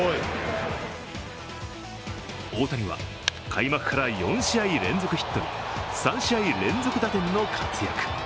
大谷は開幕から４試合連続ヒットに３試合連続打点の活躍。